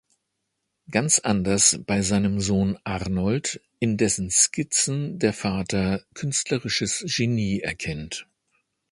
Ganz anders bei seinem Sohn "Arnold", in dessen Skizzen der Vater künstlerisches Genie erkennt.